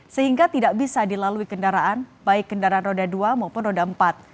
sehingga tidak bisa dilalui kendaraan baik kendaraan roda dua maupun roda empat